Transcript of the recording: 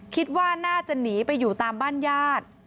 คิดว่าน่าจะหนีไปอยู่ตามบ้านญาติ